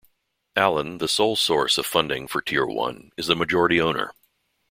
Allen, the sole source of funding for Tier One, is the majority owner.